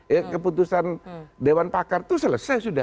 ya keputusan dewan pakar itu selesai sudah